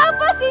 ini ada apa sih